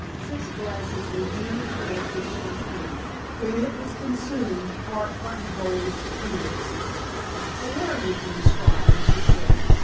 Six glasses were duly filled with champagne. When it was consumed, Hart buttonholed Peters. "A word with you, scribe," he said.